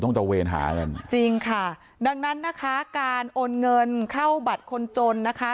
ตะเวนหากันจริงค่ะดังนั้นนะคะการโอนเงินเข้าบัตรคนจนนะคะ